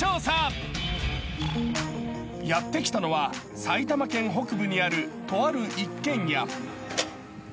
［やって来たのは埼玉県北部にあるとある一軒家］